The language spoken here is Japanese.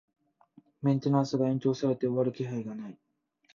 メンテナンスが延長されて終わる気配がない